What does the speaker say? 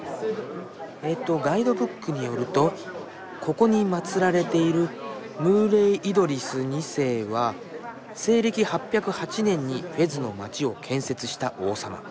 えっとガイドブックによるとここに祭られているムーレイ・イドリス２世は西暦８０８年にフェズの街を建設した王様。